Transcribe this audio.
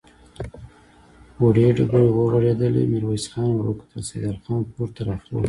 وړې ډبرې ورغړېدې، ميرويس خان ور وکتل، سيدال خان پورته را خوت.